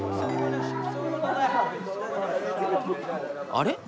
あれ？